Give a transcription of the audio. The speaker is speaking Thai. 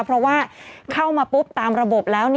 เพราะว่าเข้ามาปุ๊บตามระบบแล้ว